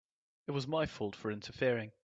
It was my fault for interfering.